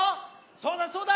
そうだそうだ！